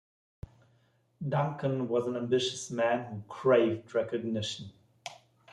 Duncan was an ambitious man who craved recognition.